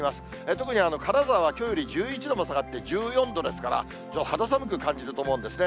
特に金沢はきょうより１１度も下がって１４度ですから、肌寒く感じると思うんですね。